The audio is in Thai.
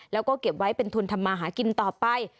แล้วก็เก็บไว้เป็นทุนทำมาหากินต่อไป